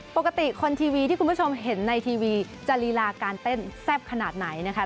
ปกติคนทีวีที่คุณผู้ชมเห็นในทีวีจะลีลาการเต้นแซ่บขนาดไหนนะคะ